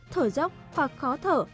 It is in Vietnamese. thở dốc hoặc khó thở